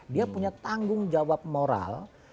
dia punya tanggung jawab moral